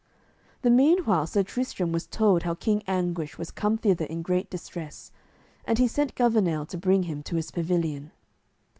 The meanwhile Sir Tristram was told how King Anguish was come thither in great distress, and he sent Gouvernail to bring him to his pavilion.